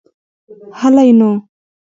هلئ نو.